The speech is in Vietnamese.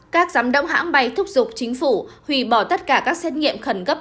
các giám đốc hãng bay thúc giục chính phủ hủy bỏ tất cả các xét nghiệm khẩn cấp